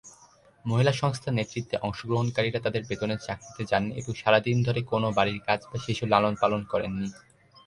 মহিলা সংস্থার নেতৃত্বে অংশগ্রহণকারীরা তাদের বেতনের চাকরিতে যাননি এবং সারা দিন ধরে কোনও বাড়ির কাজ বা শিশু লালন পালন করেননি।